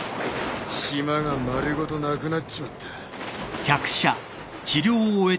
島が丸ごとなくなっちまった。